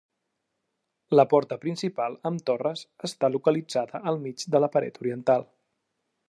La porta principal, amb torres està localitzada al mig de la paret oriental.